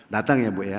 datang ya bu ya